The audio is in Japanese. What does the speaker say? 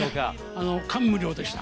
あの感無量でした。